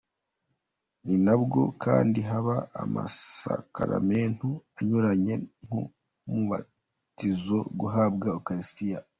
Ninabwo kandi haba amasakaramentu anyuranye nk’umubatizo, guhabwa ukaristiya,….